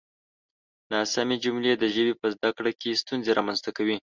ناسمې جملې د ژبې په زده کړه کې ستونزې رامنځته کوي.